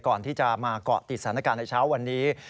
ก่อนที่จะมาเกาะติดสถานการณ์ในเช้าวันนี้